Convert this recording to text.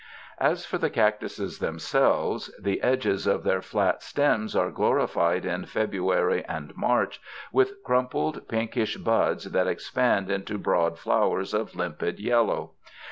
As for the cactuses themselves, the edges of their fiat stems are glorified in February and March with cnimpled pinkish buds that expand into broad flow ers of limpid yellow.